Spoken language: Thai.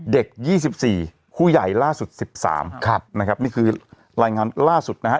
๒๔ผู้ใหญ่ล่าสุด๑๓นะครับนี่คือรายงานล่าสุดนะฮะ